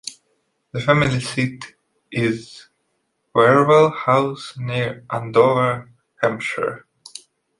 The family seat is Wherwell House, near Andover, Hampshire.